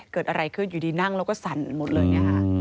เกิดอะไรขึ้นอยู่ดีนั่งแล้วก็สั่นหมดเลย